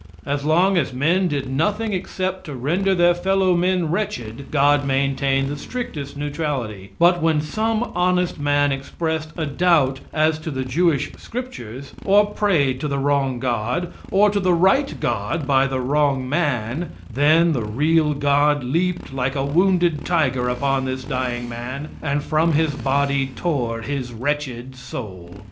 As long as men did nothing except to render their fellowmen wretched, God maintained the strictest neutrality, but when some honest man expressed a doubt as to the Jewish scriptures, or prayed to the wrong god, or to the right God by the wrong man, then the real God leaped like a wounded tiger upon this dying man, and from his body tore his wretched soul.